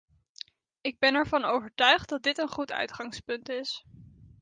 Ik ben ervan overtuigd dat dit een goed uitgangspunt is.